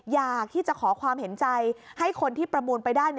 อยากที่จะขอความเห็นใจให้คนที่ประมูลไปได้